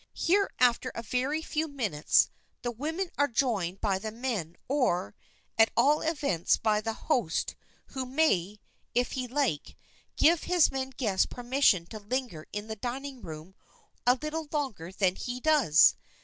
Here, after a very few minutes, the women are joined by the men or, at all events, by the host, who may, if he like, give his men guests permission to linger in the dining room a little longer than he does.